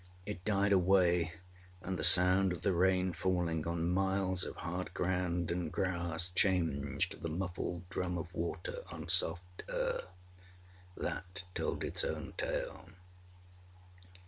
It died away, and the sound of the rain falling on miles of hard ground and grass changed to the muffled drum of water on soft earth. That told its own tale.